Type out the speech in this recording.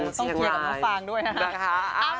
ต้องเคลียร์กับน้องฟางด้วยนะคะ